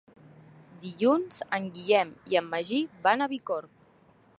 Dilluns en Guillem i en Magí van a Bicorb.